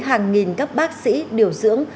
hàng nghìn các bác sĩ điều dưỡng